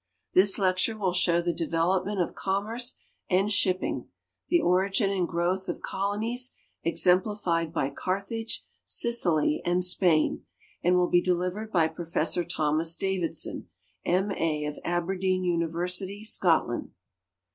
Tiiis lecture will show the development of commerce and shipping; the origin and growth of colonies, exemplified by Carthage, Sicily, and Spain, and will he delivered by Prof Thomas Davidson, M. A., of Aber deen University, Scotland.